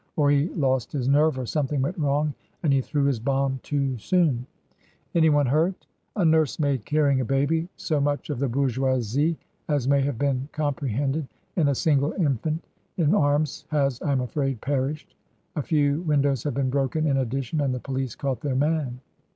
Or he lost his nerve, or something went wrong. And he threw his bomb too soon." " Anyone hurt ?" "A nursemaid carrying a baby. So much of the Bourgeoisie as may have been comprehended in a single infant in arms has, I am afraid, perished. A few win dows have been broken in addition. And the police caught their man."